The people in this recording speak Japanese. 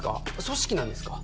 組織なんですか？